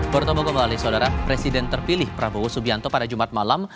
bertemu kembali saudara presiden terpilih prabowo subianto pada jumat malam